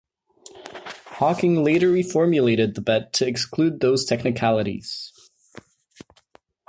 Hawking later reformulated the bet to exclude those technicalities.